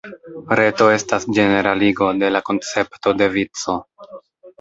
Reto estas ĝeneraligo de la koncepto de vico.